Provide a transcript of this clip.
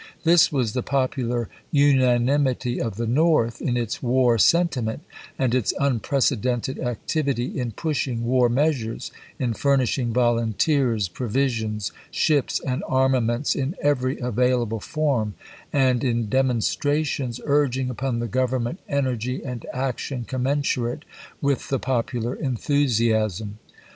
This was the popular unanimity of the North in its war sentiment and its unprecedented activity in pushing war measures, in furnishing volunteers, provisions, ships, and armaments in every available form, and in demonstrations urg ing upon the Government energy and action com mensurate with the popular enthusiasm.